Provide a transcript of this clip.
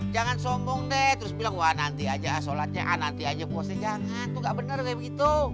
jangan sombong deh terus bilang nanti aja sholatnya nanti aja puasnya jangan itu gak bener kayak begitu